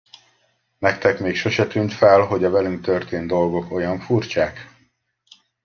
Nektek még sose tűnt fel, hogy a velünk történt dolgok olyan furcsák?